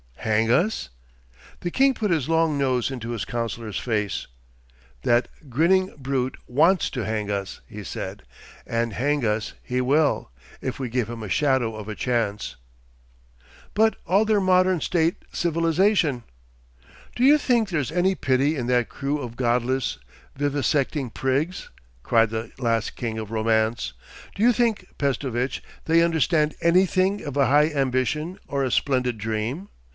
'Hang us?' The king put his long nose into his councillor's face. 'That grinning brute wants to hang us,' he said. 'And hang us he will, if we give him a shadow of a chance.' 'But all their Modern State Civilisation!' 'Do you think there's any pity in that crew of Godless, Vivisecting Prigs?' cried this last king of romance. 'Do you think, Pestovitch, they understand anything of a high ambition or a splendid dream?